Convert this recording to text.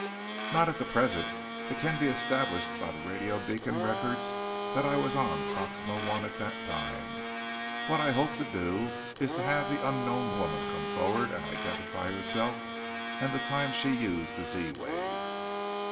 "Not at the present. It can be established by the radio beacon records that I was on Proxima I at that time what I hope to do is to have the unknown woman come forward and identify herself and the time she used the Z wave."